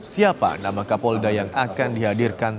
siapa nama kapolda yang akan dihadirkan